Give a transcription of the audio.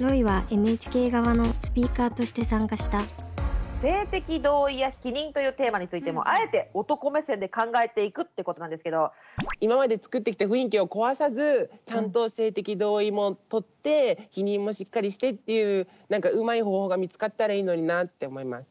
ロイはＮＨＫ側のスピーカーとして参加した今まで作ってきた雰囲気を壊さずちゃんと性的同意も取って避妊もしっかりしてっていううまい方法が見つかったらいいのになって思います。